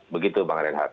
begitu bang renhard